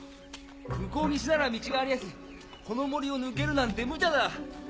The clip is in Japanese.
向こう岸なら道がありやすこの森を抜けるなんてむちゃだ！